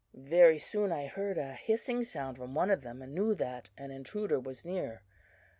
Very soon I heard a hissing sound from one of them, and knew that an intruder was near.